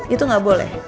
itu enggak boleh